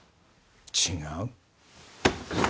違う。